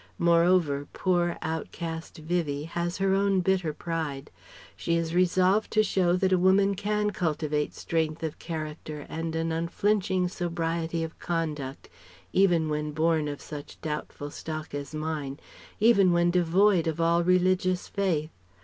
Moreover poor, outcast Vivie has her own bitter pride. She is resolved to show that a woman can cultivate strength of character and an unflinching sobriety of conduct, even when born of such doubtful stock as mine, even when devoid of all religious faith.